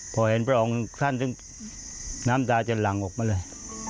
พอเห็นพระองค์ท่านถึงน้ำตาจะหลั่งออกมาเลย